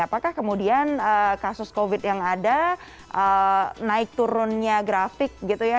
apakah kemudian kasus covid yang ada naik turunnya grafik gitu ya